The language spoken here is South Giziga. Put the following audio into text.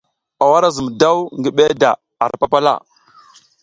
Aw ara zum daw ngi beda ar papala.